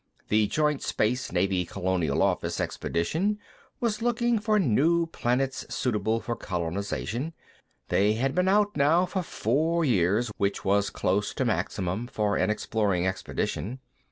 The joint Space Navy Colonial Office expedition was looking for new planets suitable for colonization; they had been out, now, for four years, which was close to maximum for an exploring expedition.